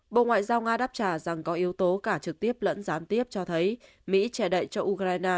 bộ ngoại giao nga đáp trả rằng có yếu tố cả trực tiếp lẫn gián tiếp cho thấy mỹ che đậy cho ukraine